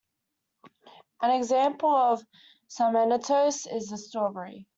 An example of sarmentose is the strawberry.